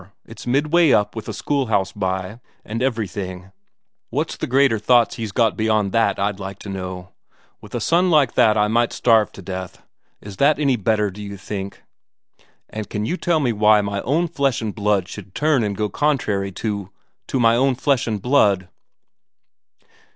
It's midway up, with a schoolhouse by, and everything; what's the greater thoughts he's got beyond that, I'd like to know? With a son like that I might starve to death is that any better, d'you think? And can you tell me why my own flesh and blood should turn and go contrary to to my own flesh and blood?"